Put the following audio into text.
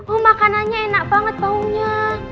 oh makanannya enak banget baunya